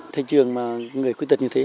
thầy trường mà người khuyết tật như thế